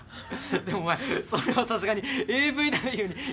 でもお前それはさすがにＡＶ男優に失礼だろ。